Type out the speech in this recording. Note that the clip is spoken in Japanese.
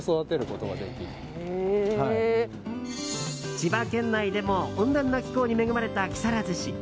千葉県内でも温暖な気候に恵まれた木更津市。